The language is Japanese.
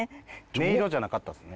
音色じゃなかったですね。